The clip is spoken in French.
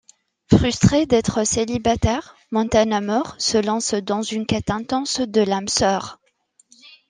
Frustrée d'être célibataire, Montana Moore se lance dans une quête intense de l'âme sœur...